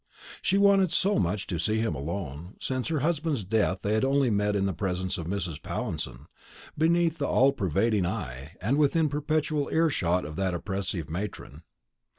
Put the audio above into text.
She wanted so much to see him alone. Since her husband's death, they had met only in the presence of Mrs. Pallinson, beneath the all pervading eye and within perpetual ear shot of that oppressive matron.